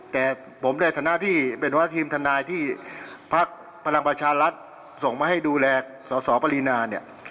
แต่ผมในฐานะที่เป็นหัวหน้าทีมทนายที่พักพลังประชารัฐส่งมาให้ดูแลสสปรินาเนี่ย